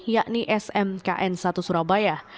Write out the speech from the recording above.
yakni smkn satu surabaya